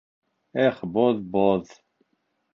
— Эх, боҙ, боҙ!